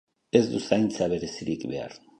Ez du zaintza berezirik behar.